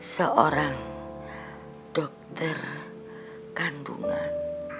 seorang dokter kandungan